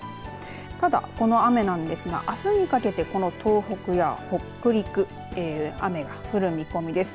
ただこの雨なんですがあすにかけて東北や北陸雨が降る見込みです。